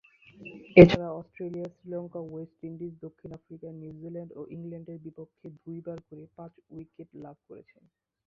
এছাড়া Australia, Sri Lanka, West Indies, দক্ষিণ Africa, New Zealand ও ইংল্যান্ডের বিপক্ষে দুইবার করে পাঁচ উইকেট লাভ করেছেন।